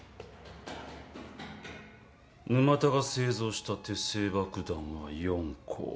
沼田が製造した手製爆弾は４個。